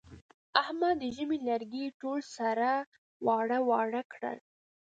احمد د ژمي لرګي ټول سره واړه واړه کړل.